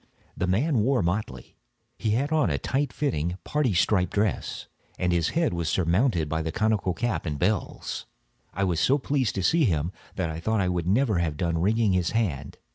The man wore motley. He had on a tight fitting parti striped dress, and his head was surmounted by the conical cap and bells. I was so pleased to see him, that I thought I should never have done wringing his hand.